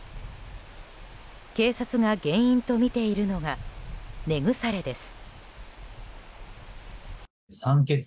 警察が原因とみているのが根腐れです。